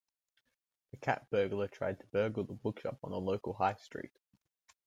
The cat burglar tried to burgle the bookshop on the local High Street